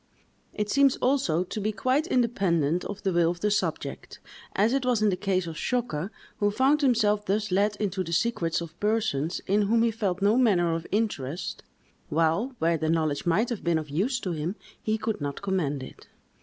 It seems, also, to be quite independent of the will of the subject, as it was in the case of Zschokke, who found himself thus let into the secrets of persons in whom he felt no manner of interest, while, where the knowledge might have been of use to him, he could not command it.